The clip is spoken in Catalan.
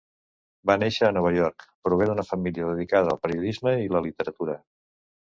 Va néixer a Nova York, prové d'una família dedicada al periodisme i la literatura.